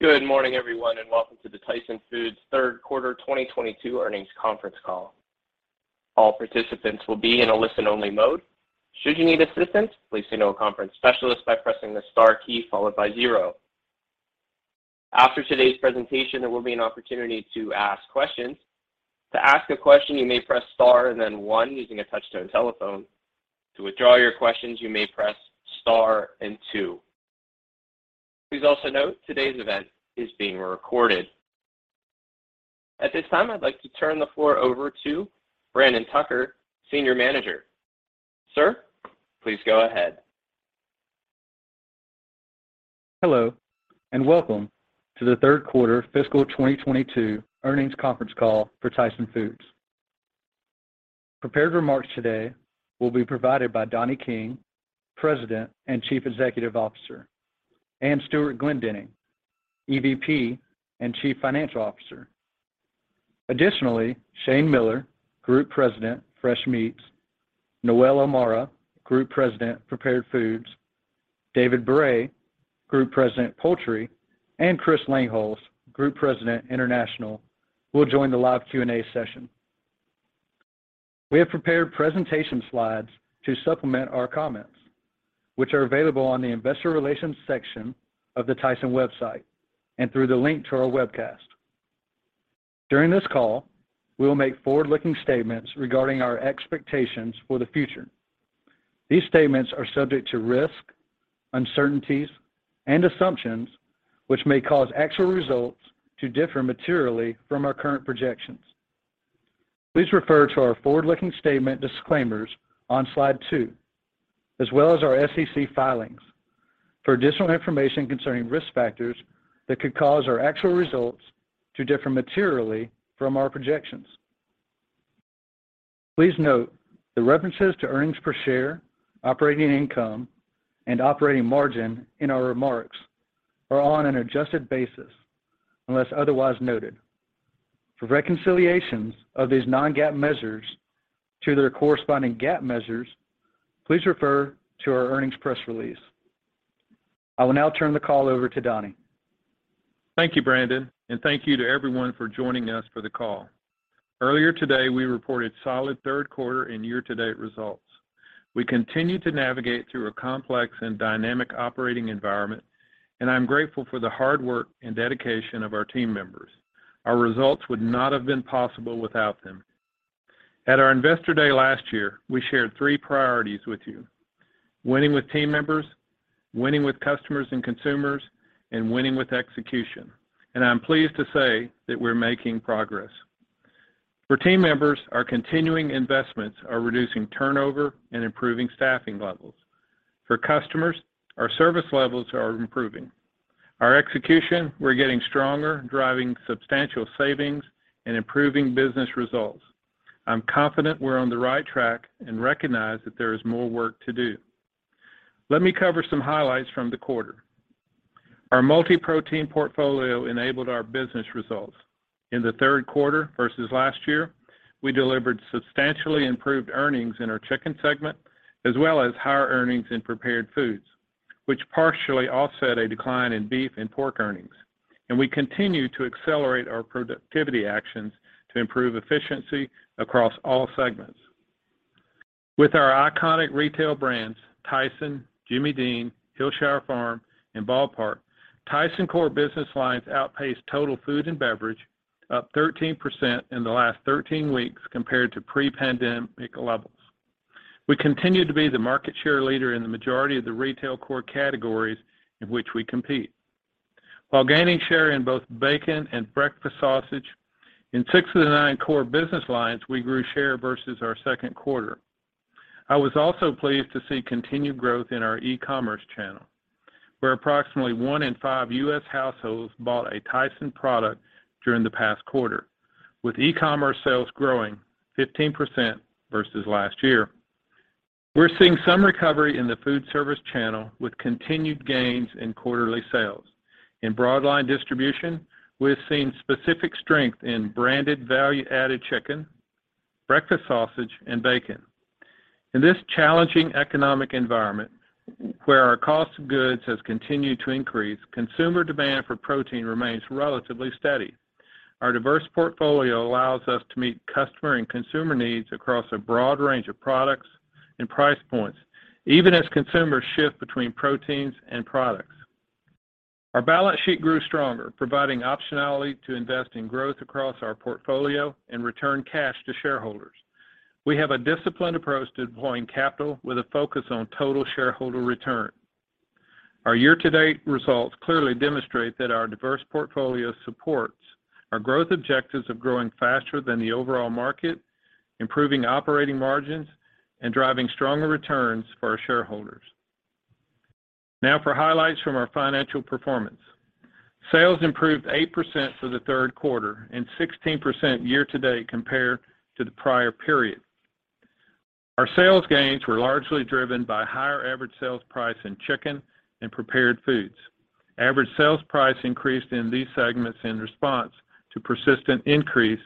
Good morning, everyone, and welcome to the Tyson Foods third quarter 2022 earnings conference call. All participants will be in a listen-only mode. Should you need assistance, please signal a conference specialist by pressing the star key followed by zero. After today's presentation, there will be an opportunity to ask questions. To ask a question, you may press star and then one using a touch-tone telephone. To withdraw your questions, you may press star and two. Please also note today's event is being recorded. At this time, I'd like to turn the floor over to Brandon Tucker, Senior Manager. Sir, please go ahead. Hello, and welcome to the third quarter fiscal 2022 earnings conference call for Tyson Foods. Prepared remarks today will be provided by Donnie King, President and Chief Executive Officer, and Stewart Glendinning, EVP and Chief Financial Officer. Additionally, Shane Miller, Group President, Fresh Meats, Noelle O'Mara, Group President, Prepared Foods, David Bray, Group President, Poultry, and Chris Langholz, Group President, International, will join the live Q&A session. We have prepared presentation slides to supplement our comments, which are available on the investor relations section of the Tyson website and through the link to our webcast. During this call, we will make forward-looking statements regarding our expectations for the future. These statements are subject to risk, uncertainties, and assumptions which may cause actual results to differ materially from our current projections. Please refer to our forward-looking statement disclaimers on slide two, as well as our SEC filings for additional information concerning risk factors that could cause our actual results to differ materially from our projections. Please note the references to earnings per share, operating income, and operating margin in our remarks are on an adjusted basis unless otherwise noted. For reconciliations of these non-GAAP measures to their corresponding GAAP measures, please refer to our earnings press release. I will now turn the call over to Donnie. Thank you, Brandon, and thank you to everyone for joining us for the call. Earlier today, we reported solid third quarter and year-to-date results. We continue to navigate through a complex and dynamic operating environment, and I'm grateful for the hard work and dedication of our team members. Our results would not have been possible without them. At our Investor Day last year, we shared three priorities with you. Winning with team members, winning with customers and consumers, and winning with execution. I'm pleased to say that we're making progress. For team members, our continuing investments are reducing turnover and improving staffing levels. For customers, our service levels are improving. Our execution. We're getting stronger, driving substantial savings and improving business results. I'm confident we're on the right track and recognize that there is more work to do. Let me cover some highlights from the quarter. Our multi-protein portfolio enabled our business results. In the third quarter versus last year, we delivered substantially improved earnings in our chicken segment, as well as higher earnings in prepared foods, which partially offset a decline in beef and pork earnings. We continue to accelerate our productivity actions to improve efficiency across all segments. With our iconic retail brands, Tyson, Jimmy Dean, Hillshire Farm, and Ball Park, Tyson core business lines outpaced total food and beverage, up 13% in the last 13 weeks compared to pre-pandemic levels. We continue to be the market share leader in the majority of the retail core categories in which we compete. While gaining share in both bacon and breakfast sausage, in six of the nine core business lines, we grew share versus our second quarter. I was also pleased to see continued growth in our e-commerce channel, where approximately one in five U.S. households bought a Tyson product during the past quarter, with e-commerce sales growing 15% versus last year. We're seeing some recovery in the food service channel with continued gains in quarterly sales. In broad line distribution, we're seeing specific strength in branded value-added chicken, breakfast sausage, and bacon. In this challenging economic environment, where our cost of goods has continued to increase, consumer demand for protein remains relatively steady. Our diverse portfolio allows us to meet customer and consumer needs across a broad range of products and price points, even as consumers shift between proteins and products. Our balance sheet grew stronger, providing optionality to invest in growth across our portfolio and return cash to shareholders. We have a disciplined approach to deploying capital with a focus on total shareholder return. Our year-to-date results clearly demonstrate that our diverse portfolio supports our growth objectives of growing faster than the overall market, improving operating margins, and driving stronger returns for our shareholders. Now for highlights from our financial performance. Sales improved 8% for the third quarter and 16% year-to-date compared to the prior period. Our sales gains were largely driven by higher average sales price in Chicken and Prepared Foods. Average sales price increased in these segments in response to persistent increase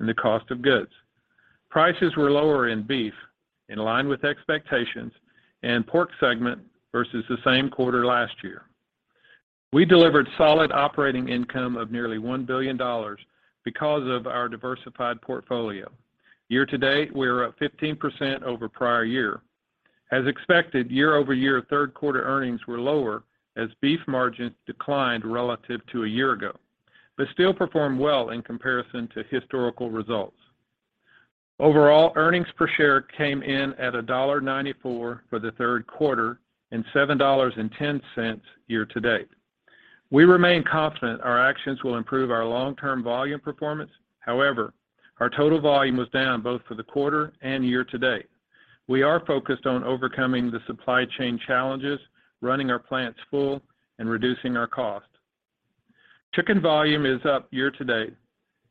in the cost of goods. Prices were lower in beef, in line with expectations, and pork segment versus the same quarter last year. We delivered solid operating income of nearly $1 billion because of our diversified portfolio. year-to-date, we're up 15% over prior year. As expected, year-over-year third quarter earnings were lower as beef margins declined relative to a year ago, but still performed well in comparison to historical results. Overall, earnings per share came in at $1.94 for the third quarter and $7.10 year-to-date. We remain confident our actions will improve our long-term volume performance. However, our total volume was down both for the quarter and year-to-date. We are focused on overcoming the supply chain challenges, running our plants full, and reducing our cost. Chicken volume is up year-to-date,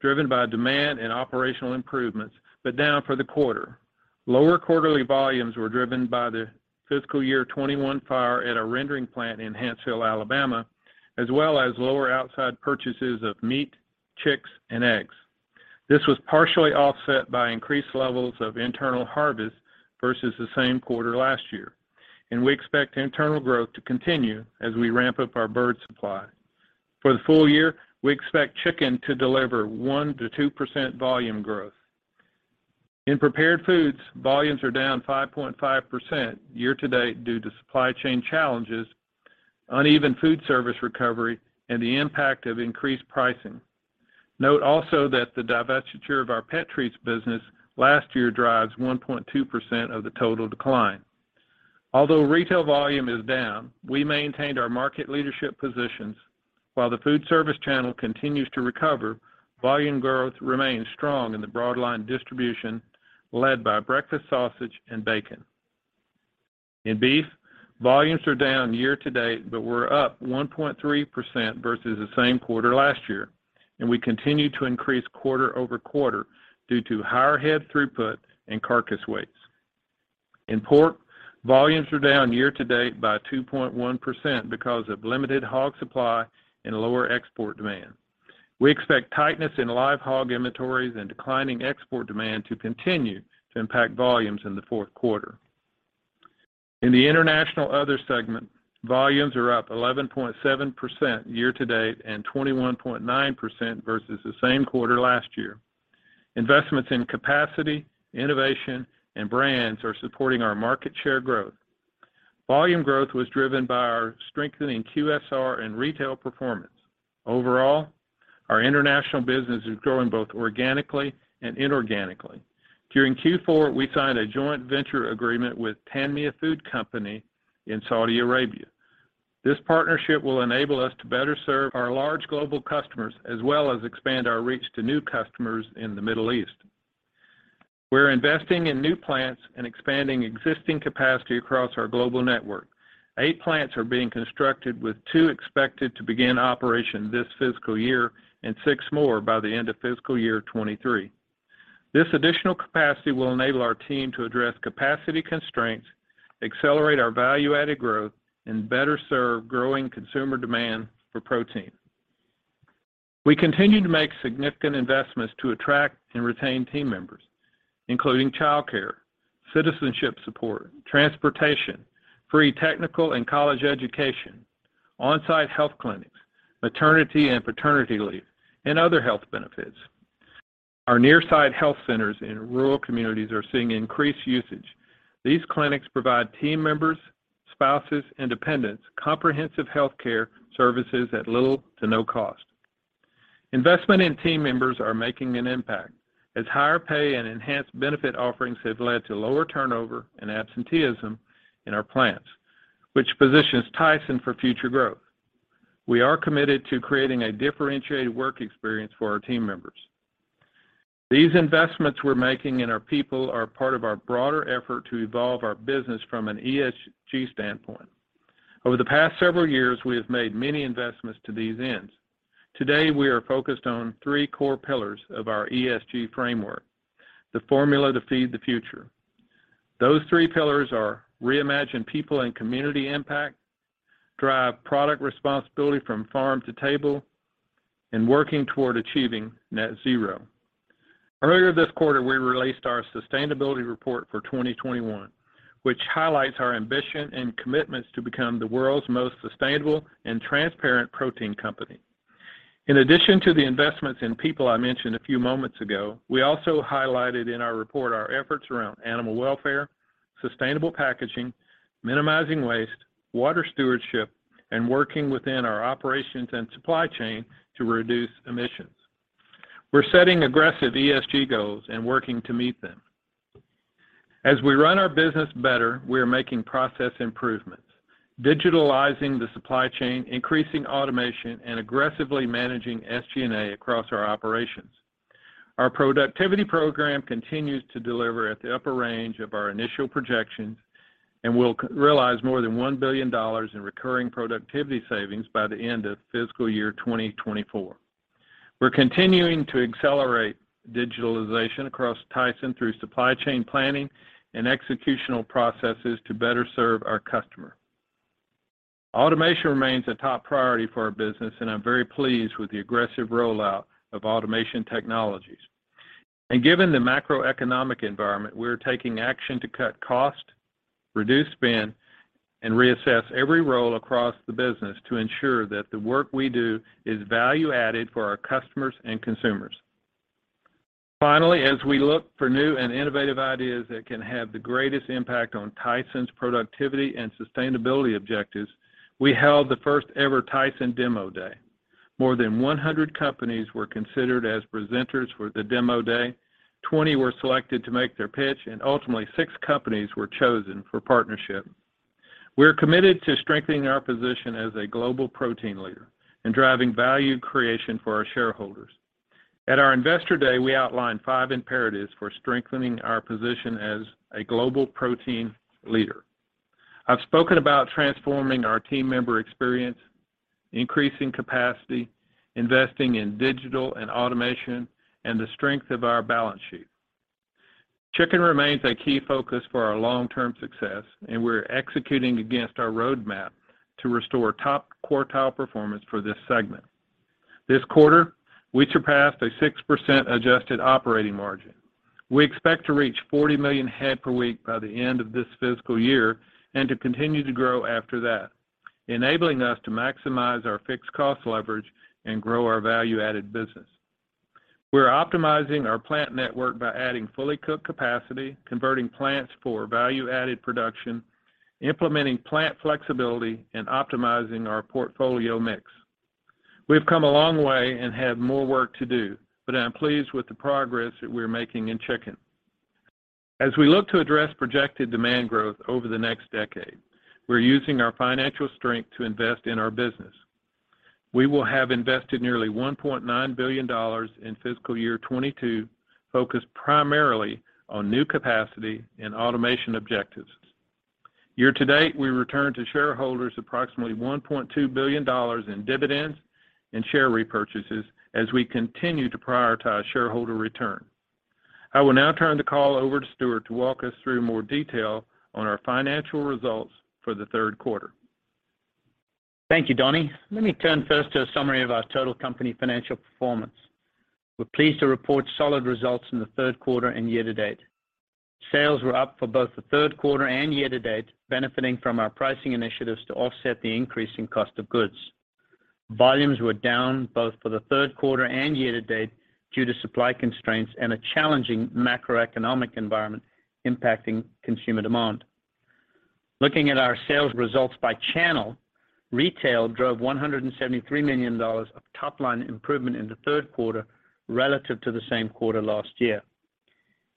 driven by demand and operational improvements, but down for the quarter. Lower quarterly volumes were driven by the fiscal year 2021 fire at a rendering plant in Hanceville, Alabama, as well as lower outside purchases of meat, chicks, and eggs. This was partially offset by increased levels of internal harvest versus the same quarter last year, and we expect internal growth to continue as we ramp up our bird supply. For the full year, we expect chicken to deliver 1%-2% volume growth. In prepared foods, volumes are down 5.5% year-to-date due to supply chain challenges, uneven food service recovery, and the impact of increased pricing. Note also that the divestiture of our pet treats business last year drives 1.2% of the total decline. Although retail volume is down, we maintained our market leadership positions. While the food service channel continues to recover, volume growth remains strong in the broad line distribution, led by breakfast sausage and bacon. In beef, volumes are down year-to-date, but we're up 1.3% versus the same quarter last year, and we continue to increase quarter-over-quarter due to higher head throughput and carcass weights. In pork, volumes are down year-to-date by 2.1% because of limited hog supply and lower export demand. We expect tightness in live hog inventories and declining export demand to continue to impact volumes in the fourth quarter. In the international other segment, volumes are up 11.7% year-to-date and 21.9% versus the same quarter last year. Investments in capacity, innovation, and brands are supporting our market share growth. Volume growth was driven by our strengthening QSR and retail performance. Overall, our international business is growing both organically and inorganically. During Q4, we signed a joint venture agreement with Tanmiah Food Company in Saudi Arabia. This partnership will enable us to better serve our large global customers, as well as expand our reach to new customers in the Middle East. We're investing in new plants and expanding existing capacity across our global network. Eight plants are being constructed with two expected to begin operation this fiscal year and 6 more by the end of fiscal year 2023. This additional capacity will enable our team to address capacity constraints, accelerate our value-added growth, and better serve growing consumer demand for protein. We continue to make significant investments to attract and retain team members, including childcare, citizenship support, transportation, free technical and college education, on-site health clinics, maternity and paternity leave, and other health benefits. Our on-site health centers in rural communities are seeing increased usage. These clinics provide team members, spouses, and dependents comprehensive healthcare services at little to no cost. Investment in team members are making an impact as higher pay and enhanced benefit offerings have led to lower turnover and absenteeism in our plants, which positions Tyson for future growth. We are committed to creating a differentiated work experience for our team members. These investments we're making in our people are part of our broader effort to evolve our business from an ESG standpoint. Over the past several years, we have made many investments to these ends. Today, we are focused on three core pillars of our ESG framework, the formula to feed the future. Those three pillars are reimagine people and community impact, drive product responsibility from farm to table, and working toward achieving net zero. Earlier this quarter, we released our sustainability report for 2021, which highlights our ambition and commitments to become the world's most sustainable and transparent protein company. In addition to the investments in people I mentioned a few moments ago, we also highlighted in our report our efforts around animal welfare, sustainable packaging, minimizing waste, water stewardship, and working within our operations and supply chain to reduce emissions. We're setting aggressive ESG goals and working to meet them. As we run our business better, we are making process improvements, digitalizing the supply chain, increasing automation, and aggressively managing SG&A across our operations. Our productivity program continues to deliver at the upper range of our initial projections, and we'll realize more than $1 billion in recurring productivity savings by the end of fiscal year 2024. We're continuing to accelerate digitalization across Tyson through supply chain planning and executional processes to better serve our customer. Automation remains a top priority for our business, and I'm very pleased with the aggressive rollout of automation technologies. Given the macroeconomic environment, we're taking action to cut cost, reduce spend, and reassess every role across the business to ensure that the work we do is value-added for our customers and consumers. Finally, as we look for new and innovative ideas that can have the greatest impact on Tyson's productivity and sustainability objectives, we held the first-ever Tyson Demo Day. More than 100 companies were considered as presenters for the Demo Day. 20 were selected to make their pitch, and ultimately six companies were chosen for partnership. We're committed to strengthening our position as a global protein leader and driving value creation for our shareholders. At our Investor Day, we outlined five imperatives for strengthening our position as a global protein leader. I've spoken about transforming our team member experience, increasing capacity, investing in digital and automation, and the strength of our balance sheet. Chicken remains a key focus for our long-term success, and we're executing against our roadmap to restore top quartile performance for this segment. This quarter, we surpassed a 6% adjusted operating margin. We expect to reach 40 million head per week by the end of this fiscal year and to continue to grow after that, enabling us to maximize our fixed cost leverage and grow our value-added business. We're optimizing our plant network by adding fully cooked capacity, converting plants for value-added production, implementing plant flexibility, and optimizing our portfolio mix. We've come a long way and have more work to do, but I'm pleased with the progress that we're making in chicken. As we look to address projected demand growth over the next decade, we're using our financial strength to invest in our business. We will have invested nearly $1.9 billion in fiscal year 2022, focused primarily on new capacity and automation objectives. Year-to-date, we returned to shareholders approximately $1.2 billion in dividends and share repurchases as we continue to prioritize shareholder return. I will now turn the call over to Stewart to walk us through more detail on our financial results for the third quarter. Thank you, Donnie. Let me turn first to a summary of our total company financial performance. We're pleased to report solid results in the third quarter and year-to-date. Sales were up for both the third quarter and year-to-date, benefiting from our pricing initiatives to offset the increase in cost of goods. Volumes were down both for the third quarter and year-to-date due to supply constraints and a challenging macroeconomic environment impacting consumer demand. Looking at our sales results by channel, retail drove $173 million of top-line improvement in the third quarter relative to the same quarter last year.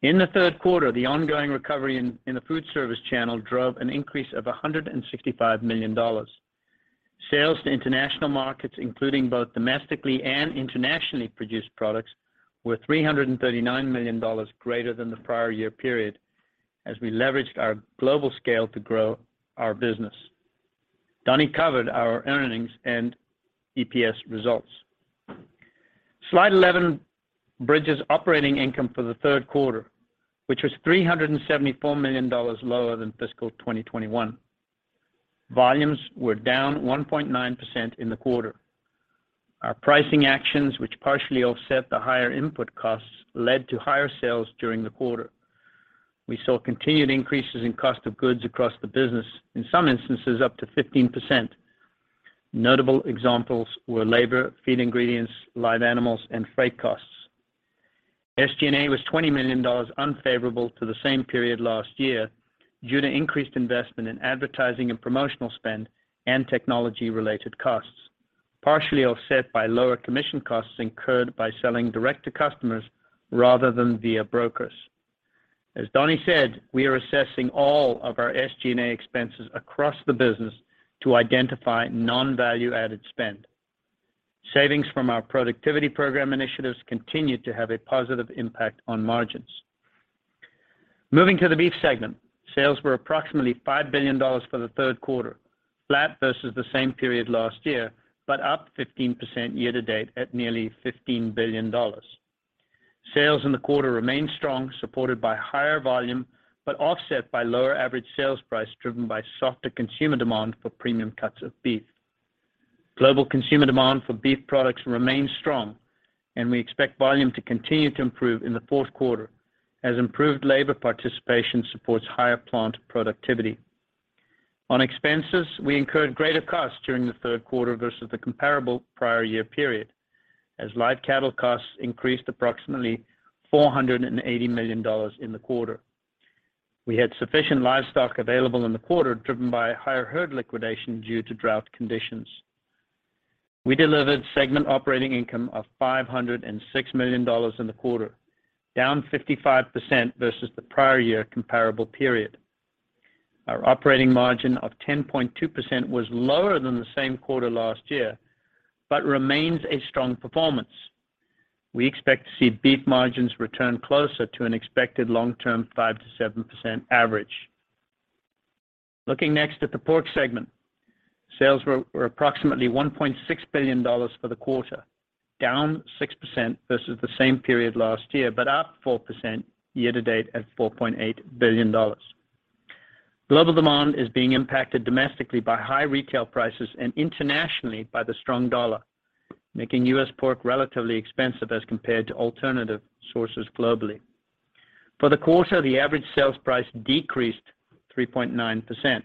In the third quarter, the ongoing recovery in the food service channel drove an increase of $165 million. Sales to international markets, including both domestically and internationally produced products, were $339 million greater than the prior year period as we leveraged our global scale to grow our business. Donnie covered our earnings and EPS results. Slide 11 bridges operating income for the third quarter, which was $374 million lower than fiscal 2021. Volumes were down 1.9% in the quarter. Our pricing actions, which partially offset the higher input costs, led to higher sales during the quarter. We saw continued increases in cost of goods across the business, in some instances, up to 15%. Notable examples were labor, feed ingredients, live animals, and freight costs. SG&A was $20 million unfavorable to the same period last year due to increased investment in advertising and promotional spend and technology-related costs, partially offset by lower commission costs incurred by selling direct to customers rather than via brokers. As Donnie said, we are assessing all of our SG&A expenses across the business to identify non-value-added spend. Savings from our productivity program initiatives continued to have a positive impact on margins. Moving to the beef segment, sales were approximately $5 billion for the third quarter, flat versus the same period last year, but up 15% year-to-date at nearly $15 billion. Sales in the quarter remained strong, supported by higher volume but offset by lower average sales price driven by softer consumer demand for premium cuts of beef. Global consumer demand for beef products remains strong, and we expect volume to continue to improve in the fourth quarter as improved labor participation supports higher plant productivity. On expenses, we incurred greater costs during the third quarter versus the comparable prior year period as live cattle costs increased approximately $480 million in the quarter. We had sufficient livestock available in the quarter, driven by higher herd liquidation due to drought conditions. We delivered segment operating income of $506 million in the quarter, down 55% versus the prior year comparable period. Our operating margin of 10.2% was lower than the same quarter last year but remains a strong performance. We expect to see beef margins return closer to an expected long-term 5%-7% average. Looking next at the pork segment, sales were approximately $1.6 billion for the quarter. Down 6% versus the same period last year, but up 4% year-to-date at $4.8 billion. Global demand is being impacted domestically by high retail prices and internationally by the strong dollar, making U.S. pork relatively expensive as compared to alternative sources globally. For the quarter, the average sales price decreased 3.9%.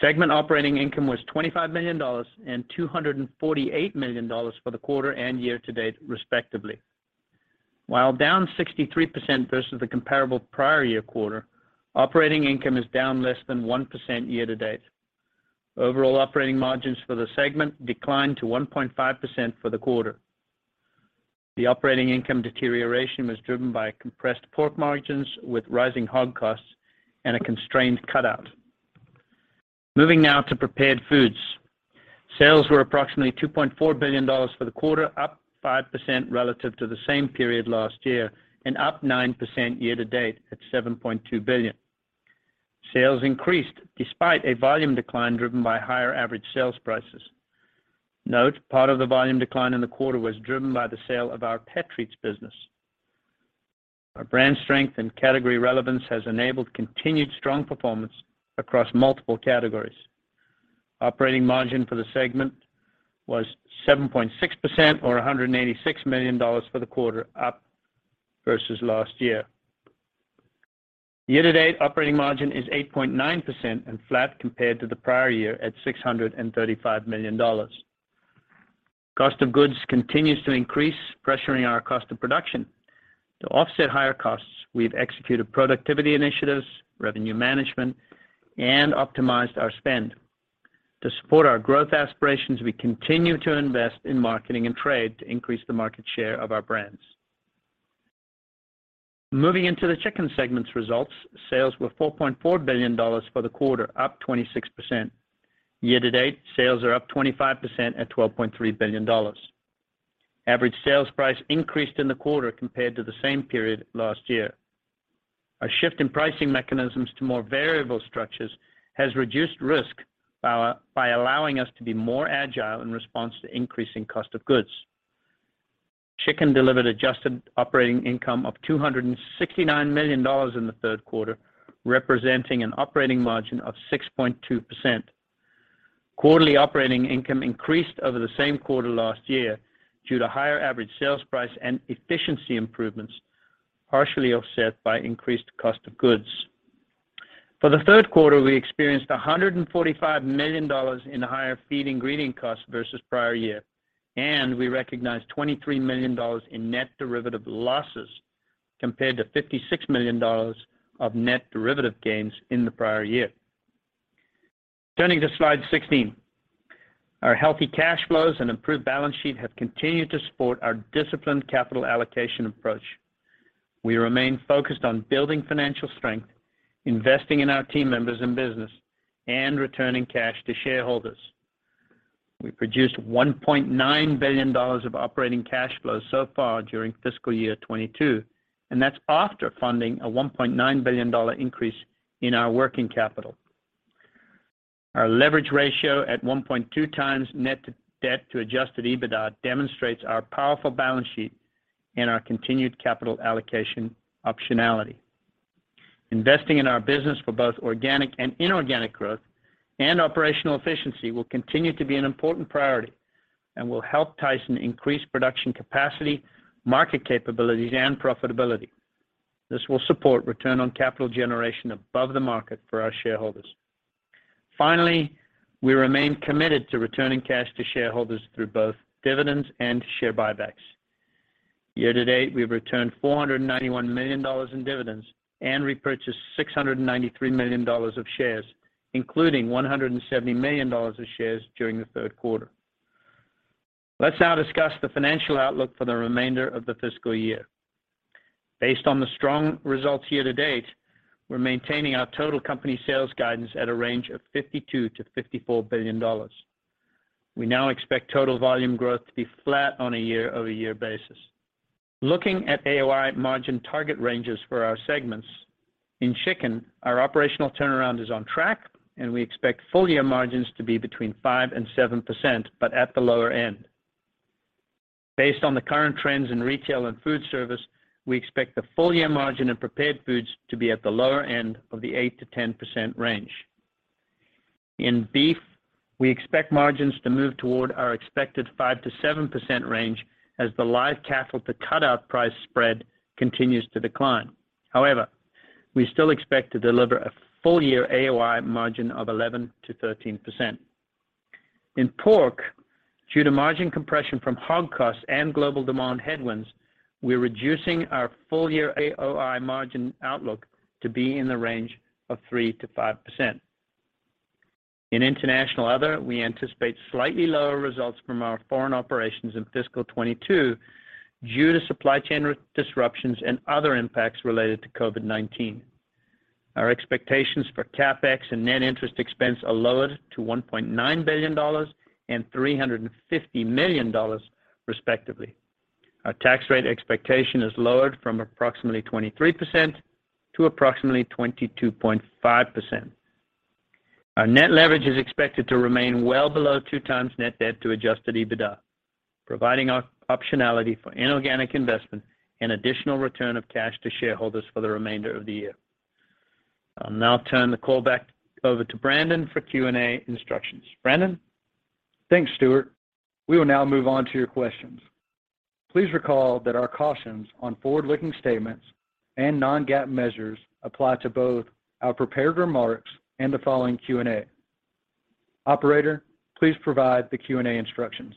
Segment operating income was $25 million and $248 million for the quarter and year-to-date respectively. While down 63% versus the comparable prior year quarter, operating income is down less than 1% year-to-date. Overall operating margins for the segment declined to 1.5% for the quarter. The operating income deterioration was driven by compressed pork margins with rising hog costs and a constrained cutout. Moving now to prepared foods. Sales were approximately $2.4 billion for the quarter, up 5% relative to the same period last year and up 9% year-to-date at $7.2 billion. Sales increased despite a volume decline driven by higher average sales prices. Note, part of the volume decline in the quarter was driven by the sale of our pet treats business. Our brand strength and category relevance has enabled continued strong performance across multiple categories. Operating margin for the segment was 7.6% or $186 million for the quarter, up versus last year. Year-to-date operating margin is 8.9% and flat compared to the prior year at $635 million. Cost of goods continues to increase, pressuring our cost of production. To offset higher costs, we've executed productivity initiatives, revenue management, and optimized our spend. To support our growth aspirations, we continue to invest in marketing and trade to increase the market share of our brands. Moving into the chicken segment's results. Sales were $4.4 billion for the quarter, up 26%. Year-to-date, sales are up 25% at $12.3 billion. Average sales price increased in the quarter compared to the same period last year. A shift in pricing mechanisms to more variable structures has reduced risk by allowing us to be more agile in response to increasing cost of goods. Chicken delivered adjusted operating income of $269 million in the third quarter, representing an operating margin of 6.2%. Quarterly operating income increased over the same quarter last year due to higher average sales price and efficiency improvements, partially offset by increased cost of goods. For the third quarter, we experienced $145 million in higher feed ingredient costs versus prior year, and we recognized $23 million in net derivative losses compared to $56 million of net derivative gains in the prior year. Turning to slide 16. Our healthy cash flows and improved balance sheet have continued to support our disciplined capital allocation approach. We remain focused on building financial strength, investing in our team members and business, and returning cash to shareholders. We produced $1.9 billion of operating cash flow so far during fiscal year 2022, and that's after funding a $1.9 billion increase in our working capital. Our leverage ratio at 1.2x net debt to adjusted EBITDA demonstrates our powerful balance sheet and our continued capital allocation optionality. Investing in our business for both organic and inorganic growth and operational efficiency will continue to be an important priority and will help Tyson increase production capacity, market capabilities, and profitability. This will support return on capital generation above the market for our shareholders. Finally, we remain committed to returning cash to shareholders through both dividends and share buybacks. Year-to-date, we've returned $491 million in dividends and repurchased $693 million of shares, including $170 million of shares during the third quarter. Let's now discuss the financial outlook for the remainder of the fiscal year. Based on the strong results year-to-date, we're maintaining our total company sales guidance at a range of $52 billion-$54 billion. We now expect total volume growth to be flat on a year-over-year basis. Looking at AOI margin target ranges for our segments, in chicken, our operational turnaround is on track, and we expect full-year margins to be between 5% and 7%, but at the lower end. Based on the current trends in retail and food service, we expect the full year margin in prepared foods to be at the lower end of the 8%-10% range. In beef, we expect margins to move toward our expected 5%-7% range as the live cattle to cutout price spread continues to decline. However, we still expect to deliver a full year AOI margin of 11%-13%. In pork, due to margin compression from hog costs and global demand headwinds, we're reducing our full year AOI margin outlook to be in the range of 3%-5%. In international other, we anticipate slightly lower results from our foreign operations in fiscal 2022 due to supply chain disruptions and other impacts related to COVID-19. Our expectations for CapEx and net interest expense are lowered to $1.9 billion and $350 million, respectively. Our tax rate expectation is lowered from approximately 23% to approximately 22.5%. Our net leverage is expected to remain well below two times net debt to adjusted EBITDA, providing optionality for inorganic investment and additional return of cash to shareholders for the remainder of the year. I'll now turn the call back over to Brandon for Q&A instructions. Brandon? Thanks, Stewart. We will now move on to your questions. Please recall that our cautions on forward-looking statements and non-GAAP measures apply to both our prepared remarks and the following Q&A. Operator, please provide the Q&A instructions.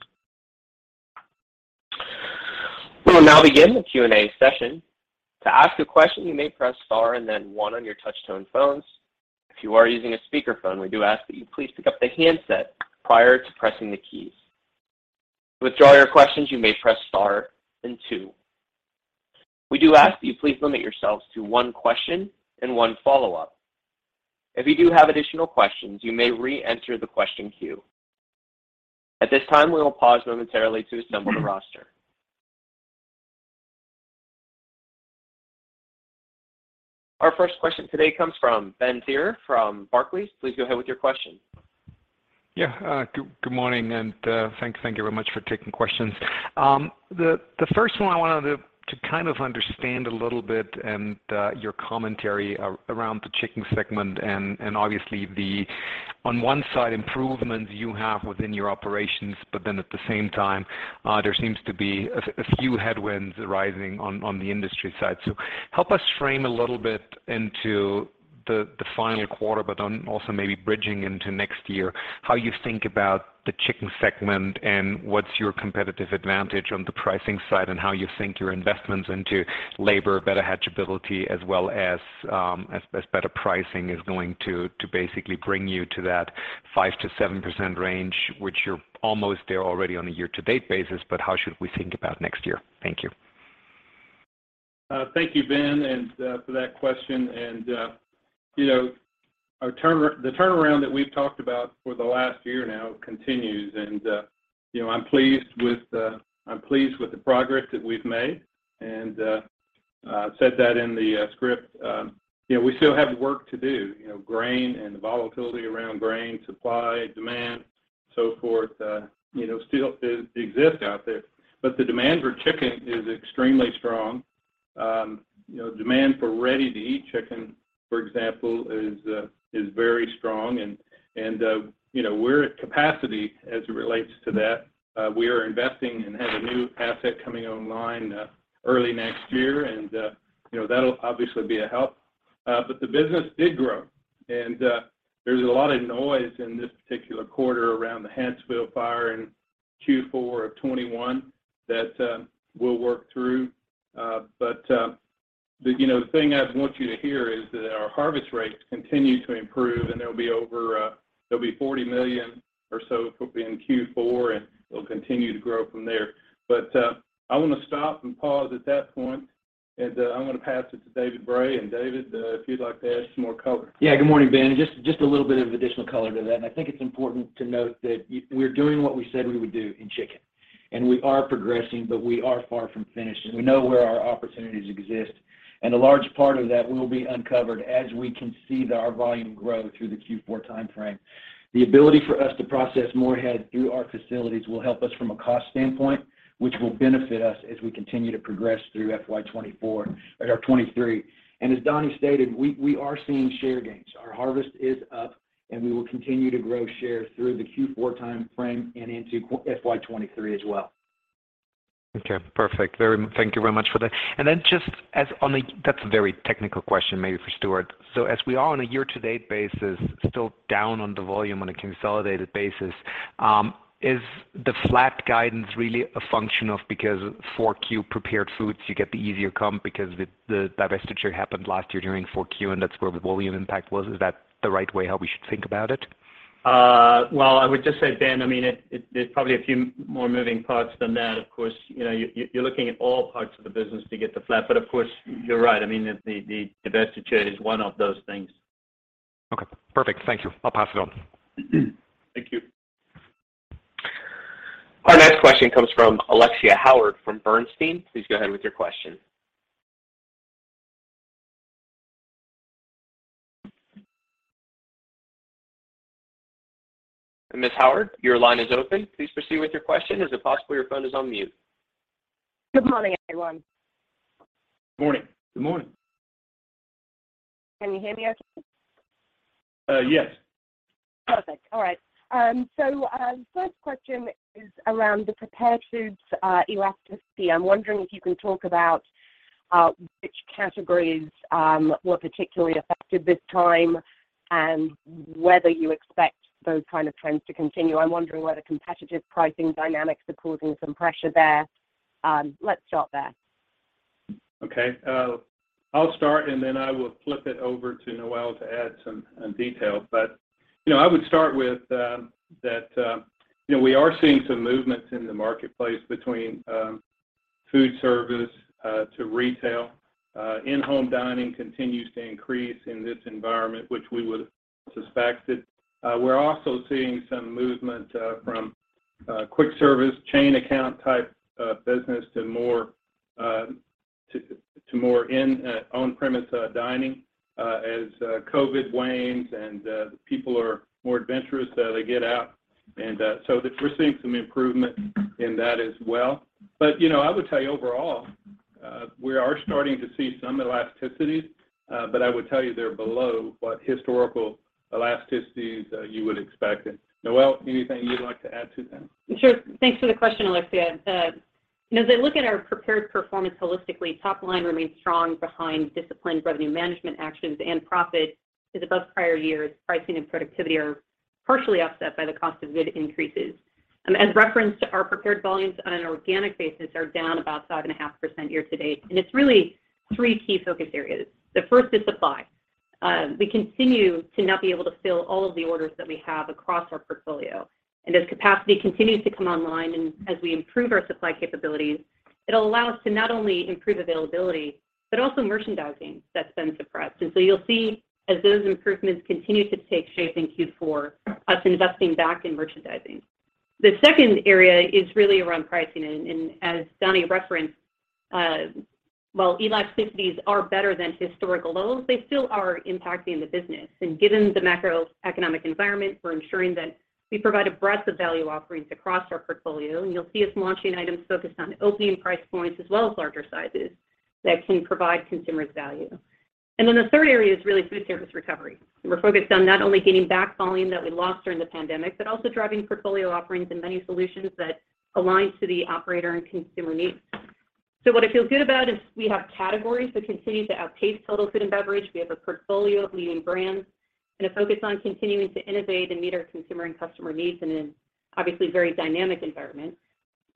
We will now begin the Q&A session. To ask a question, you may press star and then one on your touch-tone phones. If you are using a speakerphone, we do ask that you please pick up the handset prior to pressing the keys. To withdraw your questions, you may press star and two. We do ask that you please limit yourselves to one question and one follow-up. If you do have additional questions, you may re-enter the question queue. At this time, we will pause momentarily to assemble the roster. Our first question today comes from Benjamin Theurer from Barclays. Please go ahead with your question. Yeah, good morning, and thank you very much for taking questions. The first one I wanted to kind of understand a little bit and your commentary around the chicken segment and obviously on one side improvements you have within your operations, but then at the same time, there seems to be a few headwinds arising on the industry side. Help us frame a little bit into the final quarter, but also maybe bridging into next year, how you think about the chicken segment and what's your competitive advantage on the pricing side and how you think your investments into labor, better hatchability, as well as better pricing is going to basically bring you to that 5%-7% range, which you're almost there already on a year-to-date basis, but how should we think about next year? Thank you. Thank you, Ben, for that question. You know, the turnaround that we've talked about for the last year now continues. You know, I'm pleased with the progress that we've made. I said that in the script. You know, we still have work to do. You know, grain and the volatility around grain supply, demand, so forth still exist out there. The demand for chicken is extremely strong. You know, demand for ready-to-eat chicken, for example, is very strong. You know, we're at capacity as it relates to that. We are investing and have a new asset coming online early next year. You know, that'll obviously be a help. The business did grow. There's a lot of noise in this particular quarter around the Hanceville fire in Q4 of 2021 that we'll work through. You know, the thing I want you to hear is that our harvest rates continue to improve, and they'll be over 40 million or so in Q4, and they'll continue to grow from there. I want to stop and pause at that point, and I'm going to pass it to David Bray. David, if you'd like to add some more color. Yeah. Good morning, Ben. Just a little bit of additional color to that. I think it's important to note that we're doing what we said we would do in chicken, and we are progressing, but we are far from finished. We know where our opportunities exist. A large part of that will be uncovered as we can see our volume grow through the Q4 time frame. The ability for us to process more head through our facilities will help us from a cost standpoint, which will benefit us as we continue to progress through FY 2024, or 2023. As Donnie stated, we are seeing share gains. Our harvest is up, and we will continue to grow shares through the Q4 time frame and into FY 2023 as well. Okay, perfect. Thank you very much for that. That's a very technical question maybe for Stewart. As we are on a year-to-date basis, still down on the volume on a consolidated basis, is the flat guidance really a function of because 4Q prepared foods, you get the easier comp because the divestiture happened last year during 4Q, and that's where the volume impact was. Is that the right way how we should think about it? Well, I would just say, Ben, I mean, there's probably a few more moving parts than that. Of course, you know, you're looking at all parts of the business to get the flat. Of course, you're right. I mean, the divestiture is one of those things. Okay, perfect. Thank you. I'll pass it on. Thank you. Our next question comes from Alexia Howard from Bernstein. Please go ahead with your question. Ms. Howard, your line is open. Please proceed with your question. Is it possible your phone is on mute? Good morning, everyone. Morning. Good morning. Can you hear me okay? Yes. Perfect. All right. First question is around the prepared foods elasticity. I'm wondering if you can talk about which categories were particularly affected this time and whether you expect those kind of trends to continue. I'm wondering whether competitive pricing dynamics are causing some pressure there. Let's start there. Okay. I'll start, and then I will flip it over to Noelle to add some detail. You know, I would start with that, you know, we are seeing some movements in the marketplace between food service to retail. In-home dining continues to increase in this environment, which we would've suspected. We're also seeing some movement from quick service chain account type business to more to more in on premise dining as COVID wanes and people are more adventurous, they get out. So that we're seeing some improvement in that as well. You know, I would tell you overall, we are starting to see some elasticities, but I would tell you they're below what historical elasticities you would expect. Noelle, anything you'd like to add to that? Sure. Thanks for the question, Alexia. As I look at our prepared performance holistically, top line remains strong behind disciplined revenue management actions and profit is above prior years. Pricing and productivity are partially offset by the cost of goods increases. As referenced to our prepared volumes on an organic basis are down about 5.5% year-to-date. It's really three key focus areas. The first is supply. We continue to not be able to fill all of the orders that we have across our portfolio. As capacity continues to come online and as we improve our supply capabilities, it'll allow us to not only improve availability, but also merchandising that's been suppressed. You'll see as those improvements continue to take shape in Q4, us investing back in merchandising. The second area is really around pricing. As Donnie referenced, while elasticities are better than historical levels, they still are impacting the business. Given the macroeconomic environment, we're ensuring that we provide a breadth of value offerings across our portfolio. You'll see us launching items focused on opening price points as well as larger sizes that can provide consumers value. The third area is really food service recovery. We're focused on not only gaining back volume that we lost during the pandemic, but also driving portfolio offerings and menu solutions that aligns to the operator and consumer needs. What I feel good about is we have categories that continue to outpace total food and beverage. We have a portfolio of leading brands and a focus on continuing to innovate and meet our consumer and customer needs in an obviously very dynamic environment.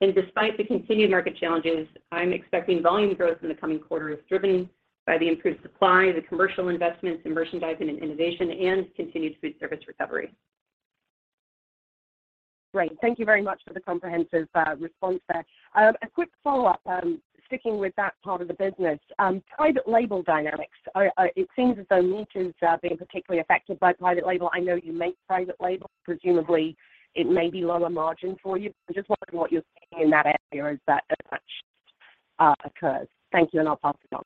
Despite the continued market challenges, I'm expecting volume growth in the coming quarters, driven by the improved supply, the commercial investments in merchandising and innovation and continued food service recovery. Great. Thank you very much for the comprehensive response there. A quick follow-up, sticking with that part of the business, private label dynamics. It seems as though meat is being particularly affected by private label. I know you make private label, presumably it may be lower margin for you. I'm just wondering what you're seeing in that area as that occurs. Thank you, and I'll pass it on.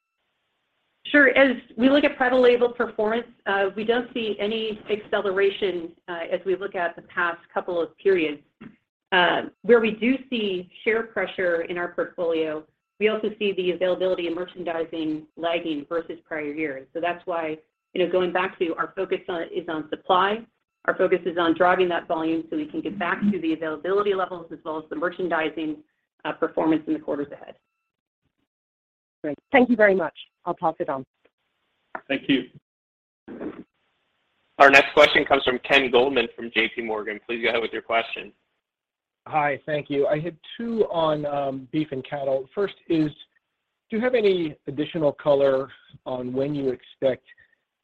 Sure. As we look at private label performance, we don't see any acceleration, as we look at the past couple of periods. Where we do see share pressure in our portfolio, we also see the availability and merchandising lagging versus prior years. That's why, you know, going back to our focus on supply, our focus is on driving that volume so we can get back to the availability levels as well as the merchandising performance in the quarters ahead. Great. Thank you very much. I'll pass it on. Thank you. Our next question comes from Ken Goldman from JPMorgan. Please go ahead with your question. Hi. Thank you. I had two on beef and cattle. First is, do you have any additional color on when you expect,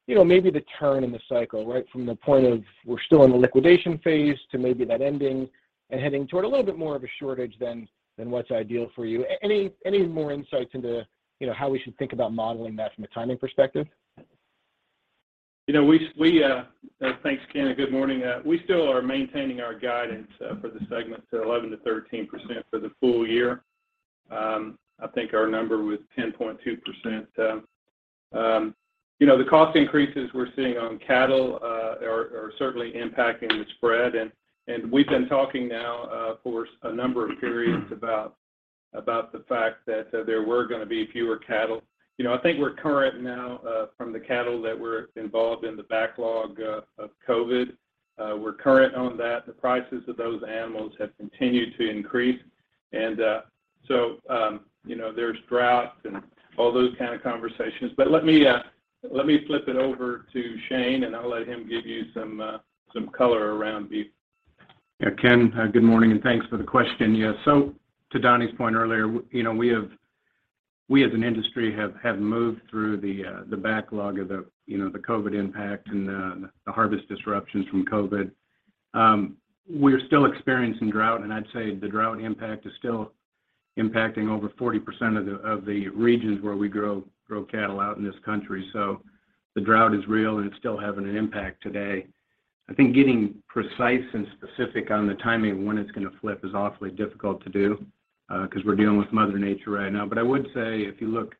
you know, maybe the turn in the cycle, right from the point of we're still in the liquidation phase to maybe that ending and heading toward a little bit more of a shortage than what's ideal for you? Any more insights into, you know, how we should think about modeling that from a timing perspective? You know, Thanks, Ken, and good morning. We still are maintaining our guidance for the segment to 11%-13% for the full year. I think our number was 10.2%. You know, the cost increases we're seeing on cattle are certainly impacting the spread. We've been talking now for a number of periods about the fact that there were gonna be fewer cattle. You know, I think we're current now from the cattle that were involved in the backlog of COVID. We're current on that. The prices of those animals have continued to increase. You know, there's drought and all those kind of conversations. Let me flip it over to Shane, and I'll let him give you some color around beef. Yeah. Ken, good morning, and thanks for the question. Yeah, so to Donnie's point earlier, you know, we as an industry have moved through the backlog of the COVID impact and the harvest disruptions from COVID. We're still experiencing drought, and I'd say the drought impact is still impacting over 40% of the regions where we grow cattle out in this country. The drought is real, and it's still having an impact today. I think getting precise and specific on the timing of when it's gonna flip is awfully difficult to do, because we're dealing with mother nature right now. I would say if you look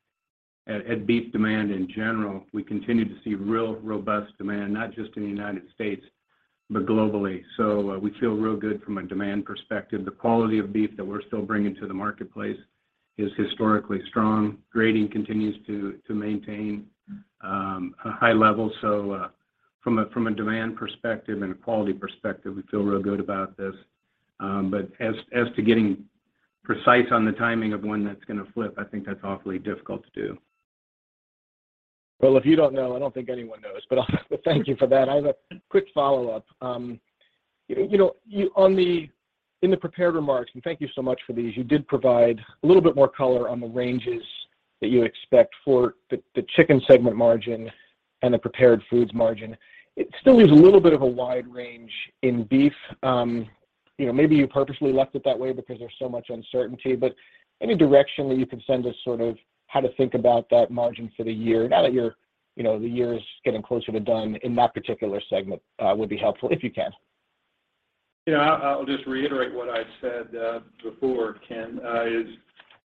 at beef demand in general, we continue to see real robust demand, not just in the United States, but globally. We feel real good from a demand perspective. The quality of beef that we're still bringing to the marketplace is historically strong. Grading continues to maintain a high level. From a demand perspective and a quality perspective, we feel real good about this. As to getting precise on the timing of when that's gonna flip, I think that's awfully difficult to do. Well, if you don't know, I don't think anyone knows, but thank you for that. I have a quick follow-up. You know, in the prepared remarks, and thank you so much for these, you did provide a little bit more color on the ranges that you expect for the chicken segment margin and the prepared foods margin. It still leaves a little bit of a wide range in beef. You know, maybe you purposely left it that way because there's so much uncertainty. Any direction that you can send us sort of how to think about that margin for the year now that you're You know, the year is getting closer to done in that particular segment, would be helpful if you can. Yeah, I'll just reiterate what I said before, Ken, is,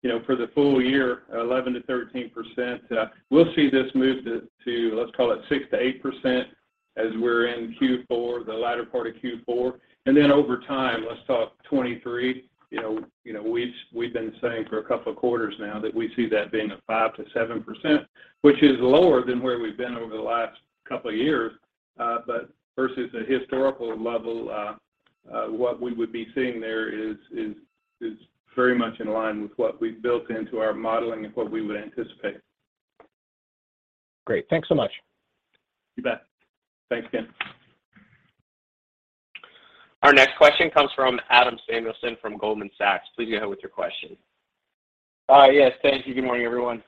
you know, for the full year, 11%-13%. We'll see this move to let's call it 6%-8% as we're in Q4, the latter part of Q4. Then over time, let's talk 2023. You know, we've been saying for a couple of quarters now that we see that being a 5%-7%, which is lower than where we've been over the last couple of years. But versus the historical level, what we would be seeing there is very much in line with what we've built into our modeling and what we would anticipate. Great. Thanks so much. You bet. Thanks, Ken. Our next question comes from Adam Samuelson from Goldman Sachs. Please go ahead with your question. Yes, thank you. Good morning, everyone.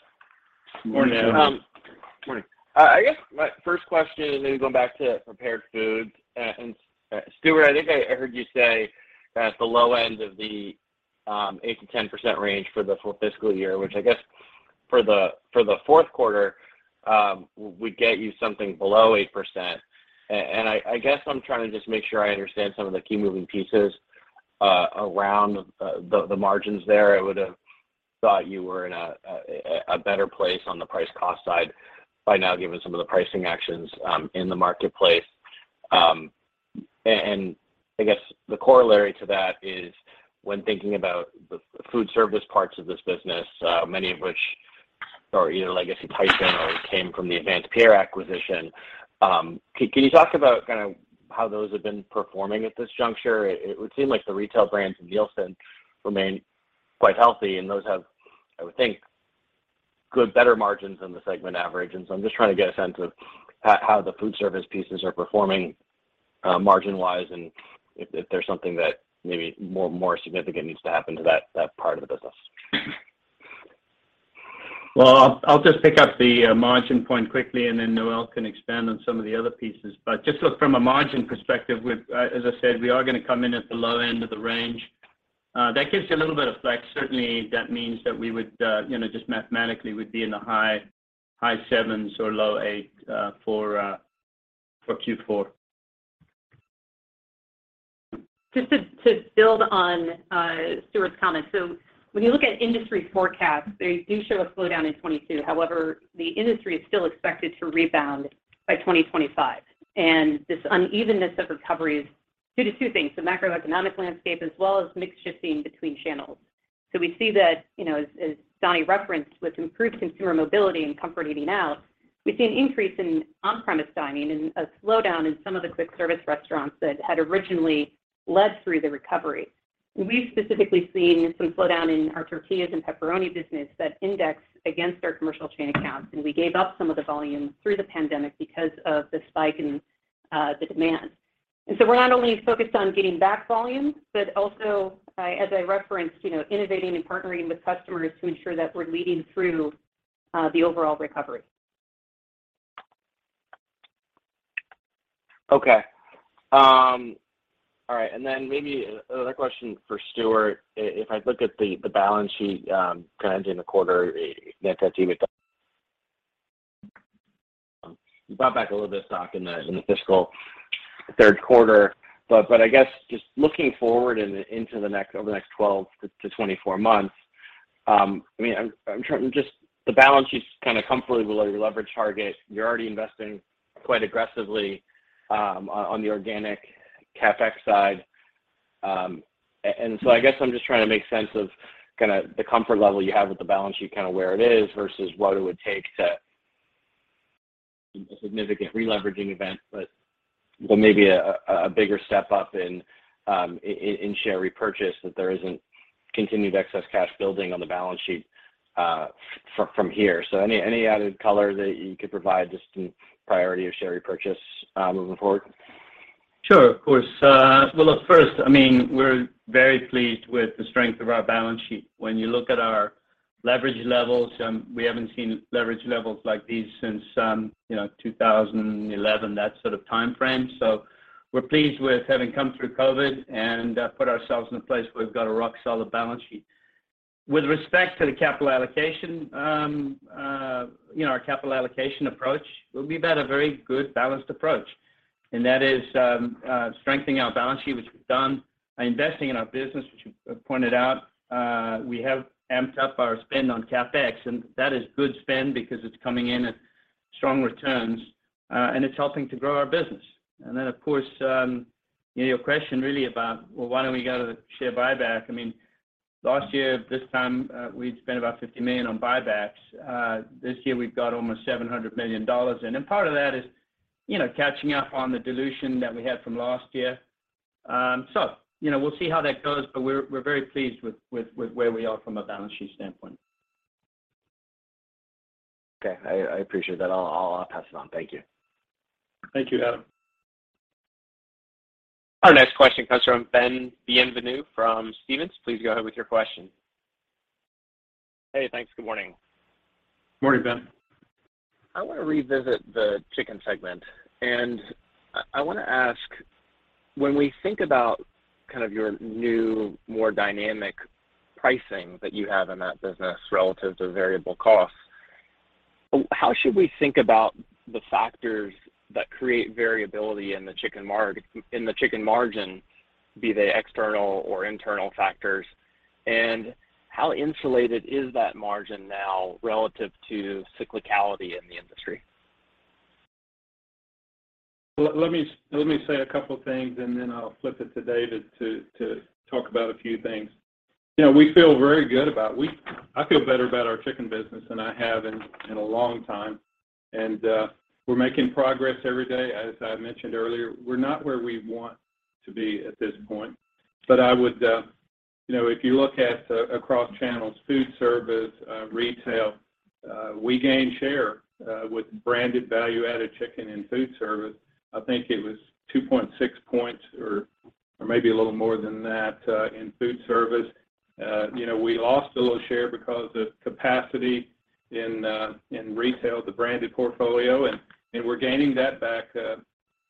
Good morning. Good morning. I guess my first question is maybe going back to prepared foods. Stewart, I think I heard you say at the low end of the 8%-10% range for the fiscal year, which I guess for the fourth quarter would get you something below 8%. I guess I'm trying to just make sure I understand some of the key moving pieces around the margins there. I would have thought you were in a better place on the price cost side by now given some of the pricing actions in the marketplace. I guess the corollary to that is when thinking about the food service parts of this business, many of which are either legacy Tyson or came from the AdvancePierre acquisition. Can you talk about kind of how those have been performing at this juncture? It would seem like the retail brands in Nielsen remain quite healthy, and those have, I would think, good, better margins than the segment average. I'm just trying to get a sense of how the food service pieces are performing, margin wise, and if there's something that maybe more significant needs to happen to that part of the business. Well, I'll just pick up the margin point quickly, and then Noelle can expand on some of the other pieces. Just look from a margin perspective with, as I said, we are gonna come in at the low end of the range. That gives you a little bit of flex. Certainly, that means that we would, you know, just mathematically would be in the high 7s% or low 8s% for Q4. Just to build on Stewart's comment. When you look at industry forecasts, they do show a slowdown in 2022. However, the industry is still expected to rebound by 2025. This unevenness of recovery is due to two things, the macroeconomic landscape as well as mix shifting between channels. We see that, you know, as Donnie referenced with improved consumer mobility and comfort eating out, we've seen an increase in on-premise dining and a slowdown in some of the quick service restaurants that had originally led through the recovery. We've specifically seen some slowdown in our tortillas and pepperoni business that index against our commercial chain accounts, and we gave up some of the volume through the pandemic because of the spike in the demand. We're not only focused on getting back volume, but also, as I referenced, you know, innovating and partnering with customers to ensure that we're leading through the overall recovery. Okay. All right. Maybe another question for Stewart. If I look at the balance sheet, kind of ending the quarter you brought back a little bit of stock in the fiscal third quarter. But I guess just looking forward into the next over the next 12-24 months, I mean, I'm trying just the balance sheet's kind of comfortable below your leverage target. You're already investing quite aggressively on the organic CapEx side. So I guess I'm just trying to make sense of kind of the comfort level you have with the balance sheet, kind of where it is versus what it would take to a significant releveraging event. But well, maybe a bigger step up in share repurchase that there isn't continued excess cash building on the balance sheet, from here. Any added color that you could provide just in priority of share repurchase, moving forward? Sure. Of course. Well, look, first, I mean, we're very pleased with the strength of our balance sheet. When you look at our leverage levels, we haven't seen leverage levels like these since, you know, 2011, that sort of timeframe. We're pleased with having come through COVID and put ourselves in a place where we've got a rock-solid balance sheet. With respect to the capital allocation, you know, our capital allocation approach will be about a very good balanced approach. That is, strengthening our balance sheet, which we've done, investing in our business, which you pointed out. We have amped up our spend on CapEx, and that is good spend because it's coming in at strong returns, and it's helping to grow our business. Then of course, you know, your question really about, well, why don't we go to the share buyback? I mean, last year this time, we'd spent about $50 million on buybacks. This year we've got almost $700 million in. Part of that is, you know, catching up on the dilution that we had from last year. So, you know, we'll see how that goes, but we're very pleased with where we are from a balance sheet standpoint. Okay. I appreciate that. I'll pass it on. Thank you. Thank you, Adam. Our next question comes from Ben Bienvenu from Stephens. Please go ahead with your question. Hey, thanks. Good morning. Morning, Ben. I want to revisit the chicken segment. I wanna ask- When we think about kind of your new, more dynamic pricing that you have in that business relative to variable costs, how should we think about the factors that create variability in the chicken margin, be they external or internal factors? How insulated is that margin now relative to cyclicality in the industry? Let me say a couple things, and then I'll flip it to David to talk about a few things. You know, we feel very good about. I feel better about our chicken business than I have in a long time. We're making progress every day. As I mentioned earlier, we're not where we want to be at this point. I would, you know, if you look at across channels, food service, retail, we gained share with branded value-added chicken in food service. I think it was 2.6 points or maybe a little more than that in food service. You know, we lost a little share because of capacity in retail, the branded portfolio, and we're gaining that back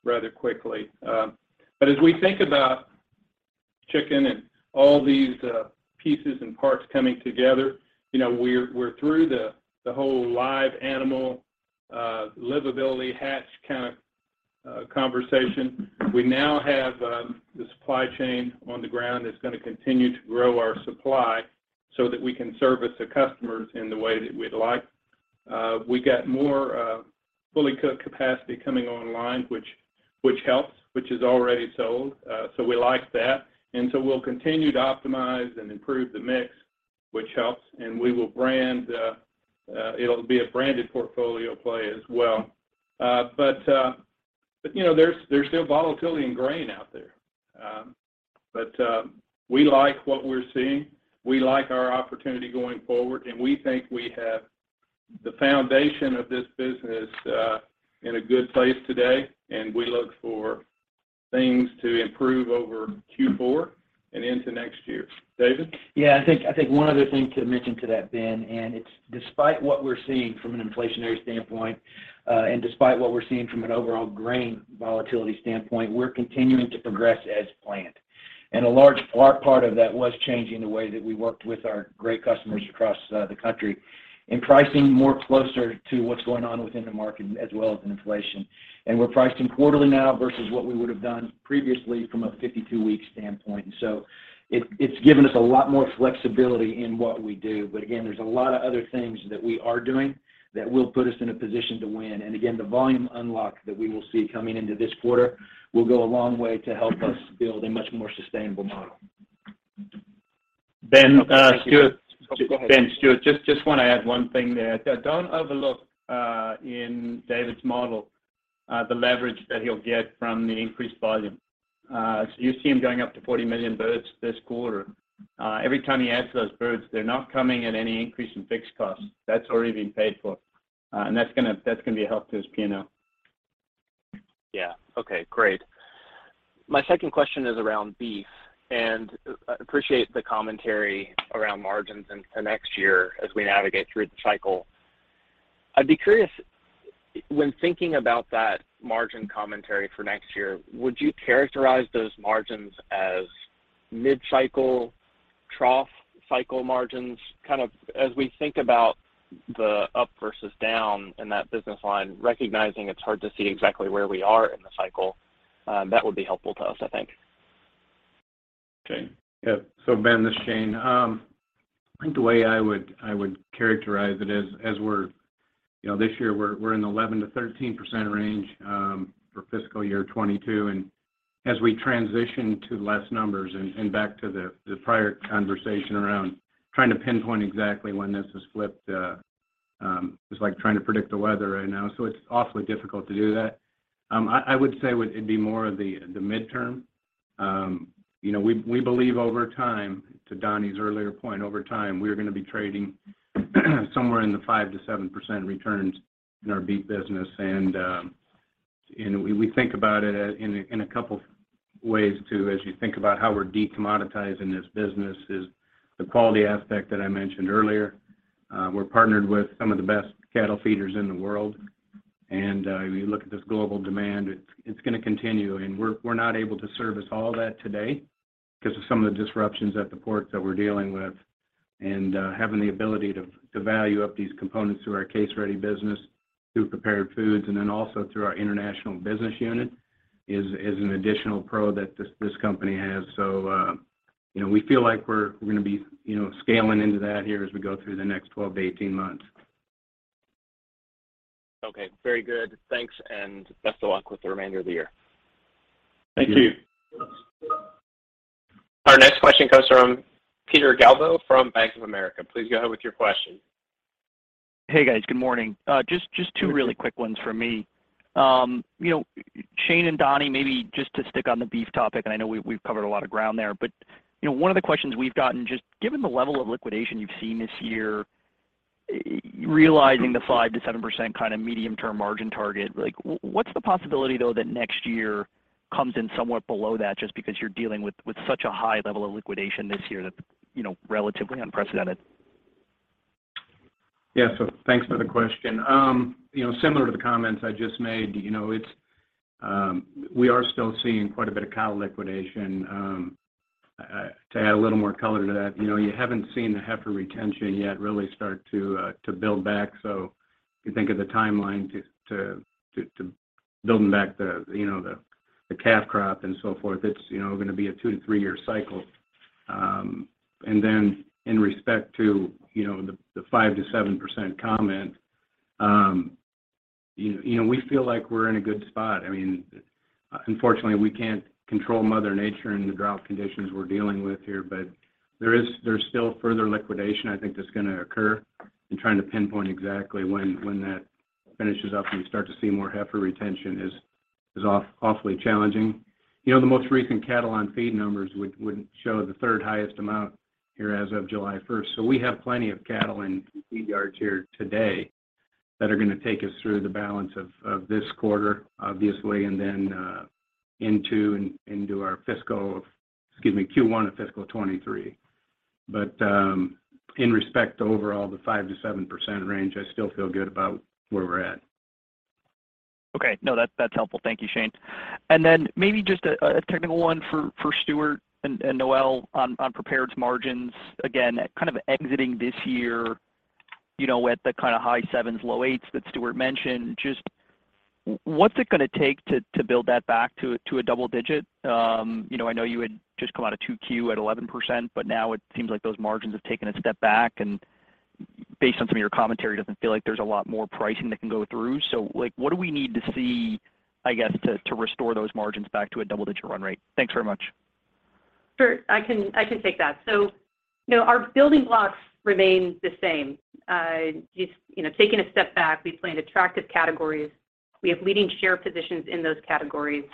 rather quickly. As we think about chicken and all these pieces and parts coming together, you know, we're through the whole live animal livability, hatch kind of conversation. We now have the supply chain on the ground that's gonna continue to grow our supply so that we can service the customers in the way that we'd like. We got more fully cooked capacity coming online, which helps, which is already sold. We like that. We'll continue to optimize and improve the mix, which helps, and we will brand, it'll be a branded portfolio play as well. You know, there's still volatility in grain out there. We like what we're seeing. We like our opportunity going forward, and we think we have the foundation of this business in a good place today, and we look for things to improve over Q4 and into next year. David? Yeah. I think one other thing to mention to that, Ben, and it's despite what we're seeing from an inflationary standpoint, and despite what we're seeing from an overall grain volatility standpoint, we're continuing to progress as planned. A large part of that was changing the way that we worked with our great customers across the country and pricing more closer to what's going on within the market as well as inflation. We're pricing quarterly now versus what we would have done previously from a 52-week standpoint. It, it's given us a lot more flexibility in what we do. Again, there's a lot of other things that we are doing that will put us in a position to win. The volume unlock that we will see coming into this quarter will go a long way to help us build a much more sustainable model. Ben, Stewart- Go ahead. Ben, Stewart, just want to add one thing there. Don't overlook in David's model the leverage that he'll get from the increased volume. You see him going up to 40 million birds this quarter. Every time he adds those birds, they're not coming at any increase in fixed costs. That's already been paid for. That's gonna be a help to his P&L. Yeah. Okay, great. My second question is around beef. Appreciate the commentary around margins into next year as we navigate through the cycle. I'd be curious, when thinking about that margin commentary for next year, would you characterize those margins as mid-cycle trough cycle margins? Kind of as we think about the up versus down in that business line, recognizing it's hard to see exactly where we are in the cycle, that would be helpful to us, I think. Okay. Yeah. Ben, this is Shane. I think the way I would characterize it is as we're, you know, this year we're in 11%-13% range, for fiscal year 2022. As we transition to less numbers and back to the prior conversation around trying to pinpoint exactly when this was flipped, it's like trying to predict the weather right now, so it's awfully difficult to do that. I would say it'd be more of the midterm. You know, we believe over time, to Donnie's earlier point, over time, we're gonna be trading somewhere in the 5%-7% returns in our beef business. We think about it in a couple ways too, as you think about how we're de-commoditizing this business is the quality aspect that I mentioned earlier. We're partnered with some of the best cattle feeders in the world. You look at this global demand, it's gonna continue. We're not able to service all that today because of some of the disruptions at the ports that we're dealing with. Having the ability to value up these components through our case-ready business, through prepared foods, and then also through our international business unit is an additional pro that this company has. You know, we feel like we're gonna be, you know, scaling into that here as we go through the next 12-18 months. Okay. Very good. Thanks, and best of luck with the remainder of the year. Thank you. Thank you. Our next question comes from Peter Galbo from Bank of America. Please go ahead with your question. Hey, guys. Good morning. Just two really quick ones from me. You know, Shane and Donnie, maybe just to stick on the beef topic, and I know we've covered a lot of ground there, but, you know, one of the questions we've gotten, just given the level of liquidation you've seen this year, realizing the 5%-7% kind of medium-term margin target, like what's the possibility, though, that next year comes in somewhat below that just because you're dealing with such a high level of liquidation this year that's, you know, relatively unprecedented? Yeah. Thanks for the question. You know, similar to the comments I just made, you know, we are still seeing quite a bit of cow liquidation. To add a little more color to that, you know, you haven't seen the heifer retention yet really start to build back. If you think of the timeline to building back the calf crop and so forth, it's, you know, gonna be a two to three-year cycle. In respect to the 5%-7% comment, you know, we feel like we're in a good spot. I mean, unfortunately, we can't control mother nature and the drought conditions we're dealing with here, but there's still further liquidation I think that's gonna occur and trying to pinpoint exactly when that finishes up and we start to see more heifer retention is awfully challenging. You know, the most recent cattle on feed numbers would show the third highest amount here as of July first. We have plenty of cattle in feed yards here today that are gonna take us through the balance of this quarter, obviously, and then into our fiscal Q1 of fiscal 2023. With respect to overall the 5%-7% range, I still feel good about where we're at. Okay. No, that's helpful. Thank you, Shane. Then maybe just a technical one for Stewart and Noelle on Prepared's margins. Again, kind of exiting this year, you know, at the kind of high 7s%, low 8s% that Stewart mentioned, just what's it gonna take to build that back to a double-digit? You know, I know you had just come out of 2Q at 11%, but now it seems like those margins have taken a step back, and based on some of your commentary, it doesn't feel like there's a lot more pricing that can go through. So, like, what do we need to see, I guess, to restore those margins back to a double-digit run rate? Thanks very much. Sure. I can take that. You know, our building blocks remain the same. Just, you know, taking a step back, we play in attractive categories. We have leading share positions in those categories.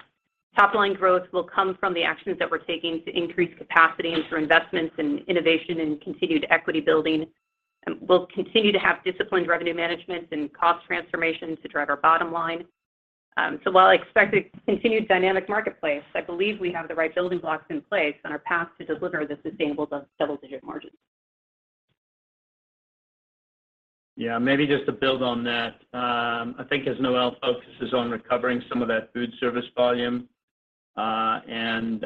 Top line growth will come from the actions that we're taking to increase capacity and through investments in innovation and continued equity building. We'll continue to have disciplined revenue management and cost transformation to drive our bottom line. While I expect a continued dynamic marketplace, I believe we have the right building blocks in place on our path to deliver the sustainable double-digit margins. Yeah, maybe just to build on that. I think as Noelle focuses on recovering some of that food service volume, and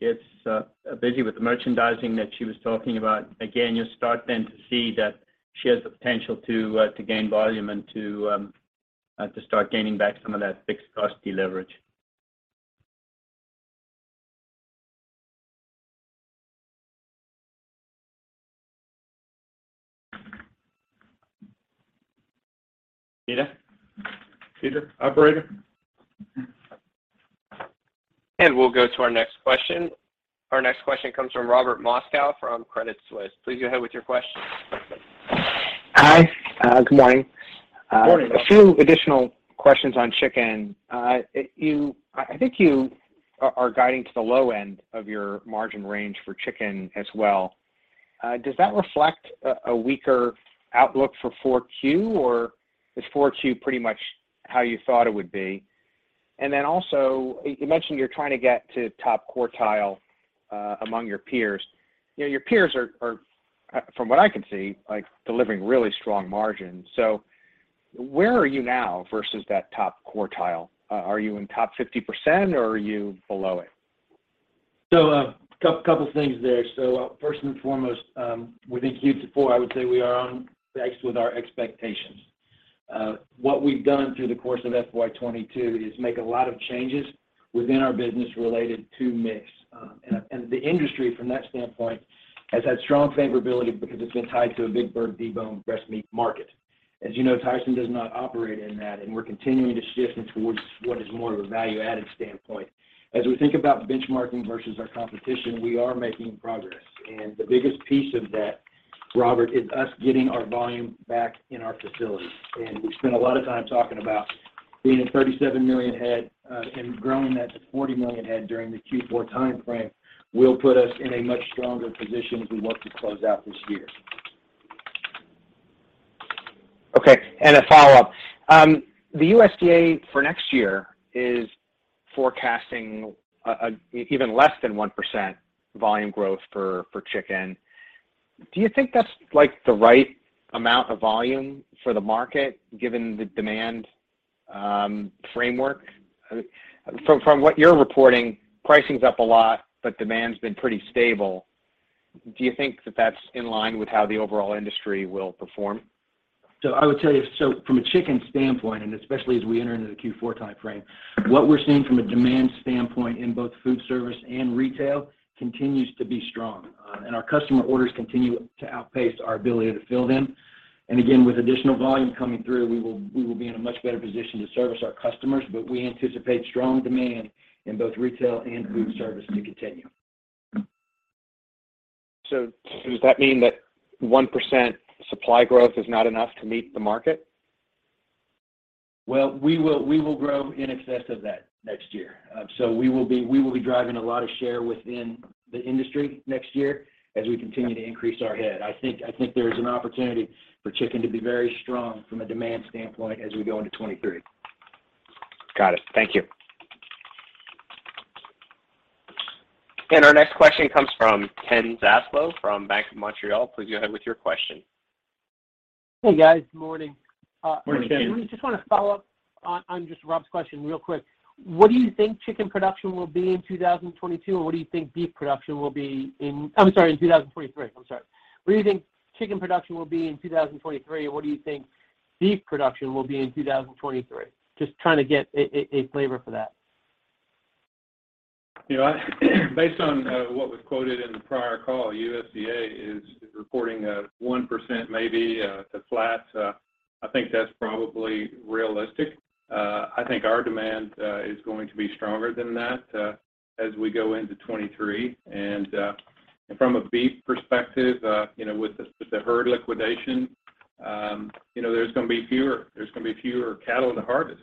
gets busy with the merchandising that she was talking about, again, you'll start then to see that she has the potential to gain volume and to start gaining back some of that fixed cost deleverage. Peter? Operator? We'll go to our next question. Our next question comes from Robert Moskow from Credit Suisse. Please go ahead with your question. Hi. Good morning. Good morning, Robert. A few additional questions on chicken. I think you are guiding to the low end of your margin range for chicken as well. Does that reflect a weaker outlook for 4Q, or is 4Q pretty much how you thought it would be? And then also, you mentioned you're trying to get to top quartile among your peers. You know, your peers are from what I can see, like, delivering really strong margins. Where are you now versus that top quartile? Are you in top 50% or are you below it? A couple things there. First and foremost, within Q4, I would say we are on pace with our expectations. What we've done through the course of FY 2022 is make a lot of changes within our business related to mix. And the industry from that standpoint has had strong favorability because it's been tied to a big bird deboned breast meat market. As you know, Tyson does not operate in that, and we're continuing to shift towards what is more of a value-added standpoint. As we think about benchmarking versus our competition, we are making progress. The biggest piece of that, Robert, is us getting our volume back in our facilities. We've spent a lot of time talking about being at 37 million head, and growing that to 40 million head during the Q4 timeframe will put us in a much stronger position as we look to close out this year. Okay. A follow-up. The USDA for next year is forecasting even less than 1% volume growth for chicken. Do you think that's, like, the right amount of volume for the market given the demand framework? From what you're reporting, pricing's up a lot, but demand's been pretty stable. Do you think that that's in line with how the overall industry will perform? I would tell you, from a chicken standpoint, and especially as we enter into the Q4 timeframe, what we're seeing from a demand standpoint in both food service and retail continues to be strong. Our customer orders continue to outpace our ability to fill them. Again, with additional volume coming through, we will be in a much better position to service our customers, but we anticipate strong demand in both retail and food service to continue. Does that mean that 1% supply growth is not enough to meet the market? Well, we will grow in excess of that next year. We will be driving a lot of share within the industry next year as we continue to increase our head. I think there's an opportunity for chicken to be very strong from a demand standpoint as we go into 2023. Got it. Thank you. Our next question comes from Ken Zaslow from Bank of Montreal. Please go ahead with your question. Hey, guys. Morning. Morning, Ken. I just want to follow up on just Rob's question real quick. What do you think chicken production will be in 2022, and what do you think beef production will be in 2023? I'm sorry. What do you think chicken production will be in 2023, and what do you think beef production will be in 2023? Just trying to get a flavor for that. You know, based on what was quoted in the prior call, USDA is reporting 1% maybe to flat. I think that's probably realistic. I think our demand is going to be stronger than that as we go into 2023. From a beef perspective, you know, with the herd liquidation, you know, there's gonna be fewer cattle to harvest,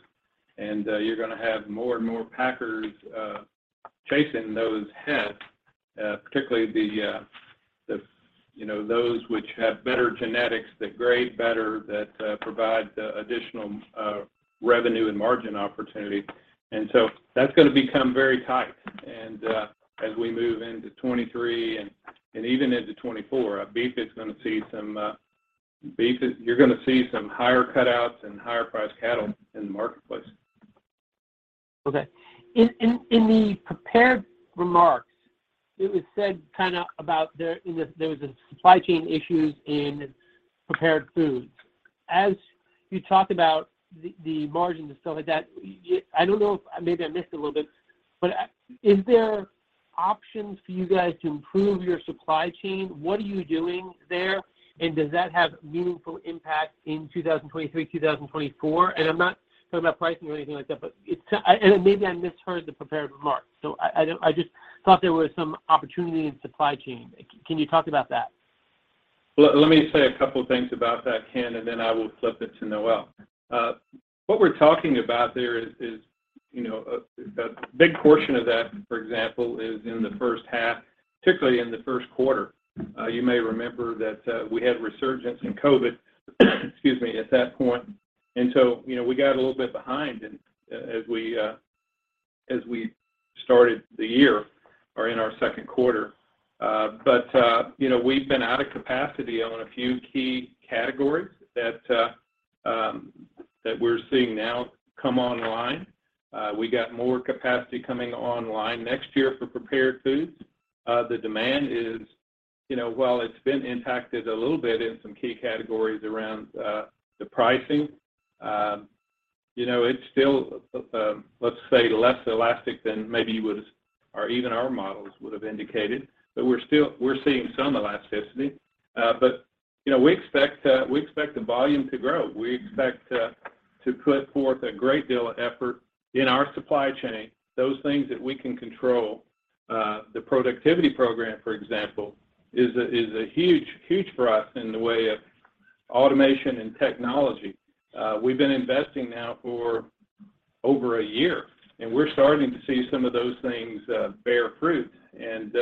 and you're gonna have more and more packers chasing those heads, particularly the, you know, those which have better genetics that grade better, that provide additional revenue and margin opportunity. That's gonna become very tight. As we move into 2023 and even into 2024, you're gonna see some higher cutouts and higher priced cattle in the marketplace. Okay. In the prepared remarks, it was said kind of about the, you know, there was supply chain issues in prepared foods. As you talk about the margins and stuff like that, I don't know if maybe I missed a little bit, but is there options for you guys to improve your supply chain? What are you doing there, and does that have meaningful impact in 2023, 2024? I'm not talking about pricing or anything like that, but it and maybe I misheard the prepared remarks. I don't. I just thought there was some opportunity in supply chain. Can you talk about that? Let me say a couple things about that, Ken, and then I will flip it to Noelle. What we're talking about there is, you know, a big portion of that, for example, is in the first half, particularly in the first quarter. You may remember that we had a resurgence in COVID, excuse me, at that point. You know, we got a little bit behind and as we started the year or in our second quarter. You know, we've been out of capacity on a few key categories that we're seeing now come online. We got more capacity coming online next year for prepared foods. The demand is, you know, while it's been impacted a little bit in some key categories around the pricing, you know, it's still, let's say less elastic than maybe you would've or even our models would have indicated. We're seeing some elasticity. You know, we expect the volume to grow. We expect to put forth a great deal of effort in our supply chain, those things that we can control. The productivity program, for example, is huge for us in the way of automation and technology. We've been investing now for over a year, and we're starting to see some of those things bear fruit, and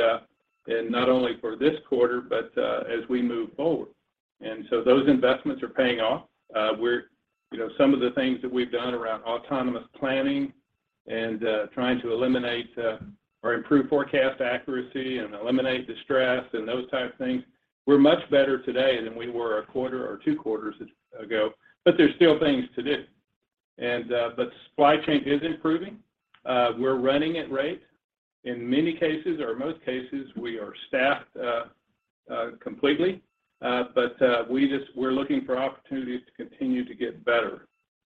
not only for this quarter but as we move forward. Those investments are paying off. You know, some of the things that we've done around autonomous planning and trying to eliminate or improve forecast accuracy and eliminate distress and those type of things. We're much better today than we were a quarter or two quarters ago, but there's still things to do. But supply chain is improving. We're running at rate. In many cases or most cases, we are staffed completely. We're looking for opportunities to continue to get better.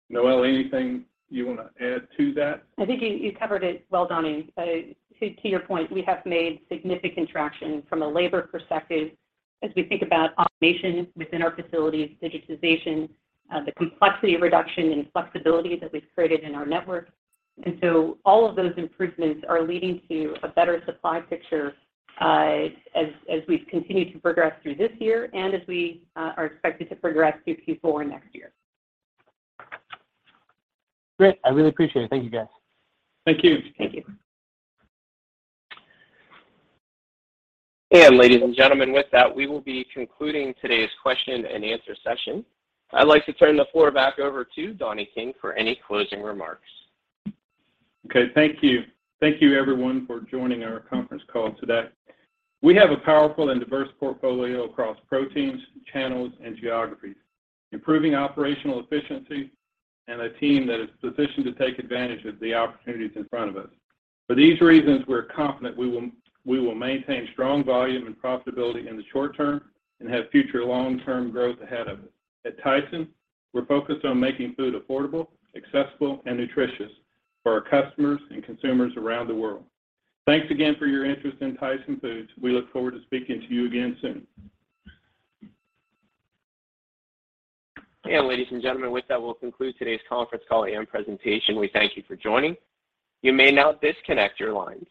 Noelle, anything you want to add to that? I think you covered it well, Donnie. To your point, we have made significant traction from a labor perspective as we think about automation within our facilities, digitization, the complexity reduction and flexibility that we've created in our network. All of those improvements are leading to a better supply picture, as we've continued to progress through this year and as we are expected to progress through Q4 next year. Great. I really appreciate it. Thank you, guys. Thank you. Thank you. Ladies and gentlemen, with that, we will be concluding today's question and answer session. I'd like to turn the floor back over to Donnie King for any closing remarks. Okay. Thank you. Thank you, everyone, for joining our conference call today. We have a powerful and diverse portfolio across proteins, channels, and geographies, improving operational efficiency, and a team that is positioned to take advantage of the opportunities in front of us. For these reasons, we're confident we will maintain strong volume and profitability in the short term and have future long-term growth ahead of us. At Tyson, we're focused on making food affordable, accessible, and nutritious for our customers and consumers around the world. Thanks again for your interest in Tyson Foods. We look forward to speaking to you again soon. Ladies and gentlemen, with that, we'll conclude today's conference call and presentation. We thank you for joining. You may now disconnect your lines.